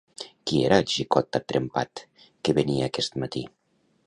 Qui era el xicot tan trempat que venia aquest matí?